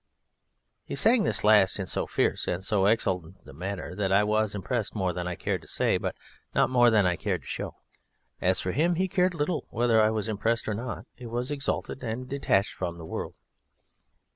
_ He sang this last in so fierce and so exultant a manner that I was impressed more than I cared to say, but not more than I cared to show. As for him, he cared little whether I was impressed or not; he was exalted and detached from the world.